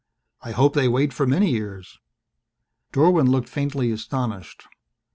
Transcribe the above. "I hope they wait for many years." Dorwin looked faintly astonished.